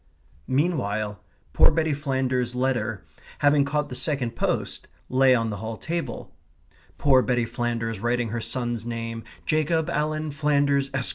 Meanwhile, poor Betty Flanders's letter, having caught the second post, lay on the hall table poor Betty Flanders writing her son's name, Jacob Alan Flanders, Esq.